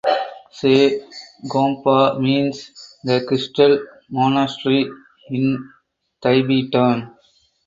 Shey Gompa means the Crystal Monastery in Tibetan.